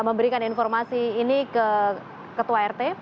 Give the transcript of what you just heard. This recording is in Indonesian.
memberikan informasi ini ke ketua rt